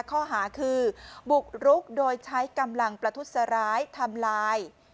ข้อหาคือบุกรุกโดยใช้กำลังประทุษร้ายทำลาย